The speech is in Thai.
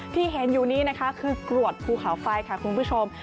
ที่เห็นอยู่นี้นะคะคือกรวดภูเขาไฟค่ะคุณผู้ชม